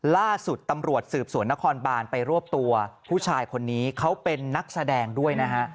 ล่าสุดตำรวจสืบสวนนครบานไปรวบตัวผู้ชายคนนี้เขาเป็นนักแสดงด้วยนะฮะ